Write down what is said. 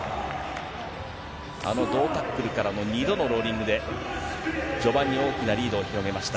あの胴タックルからの２度のローリングで、序盤に大きなリードを広げました。